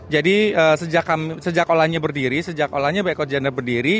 jadi sejak olanya berdiri sejak olanya eko chandra berdiri